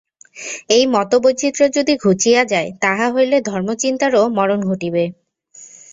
এই মতবৈচিত্র্য যদি ঘুচিয়া যায়, তাহা হইলে ধর্মচিন্তারও মরণ ঘটিবে।